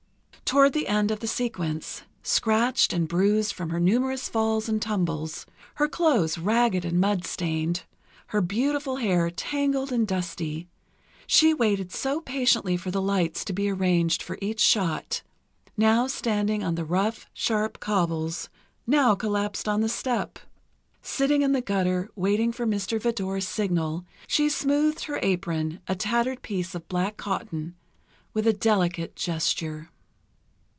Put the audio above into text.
Toward the end of the sequence—scratched and bruised from her numerous falls and tumbles, her clothes ragged and mud stained, her beautiful hair tangled and dusty, she waited so patiently for the lights to be arranged for each shot, now standing on the rough, sharp cobbles, now collapsed on the step. Sitting in the gutter, waiting for Mr. Vidor's signal, she smoothed her apron—a tattered piece of black cotton—with a delicate gesture.